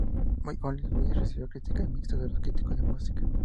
My Only Wish recibió críticas mixtas de los críticos de música.